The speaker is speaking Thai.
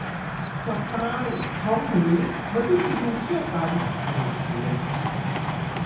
จับตาย : ช้องหมู มฤตยูเขี้ยวตัน - พนมเทียน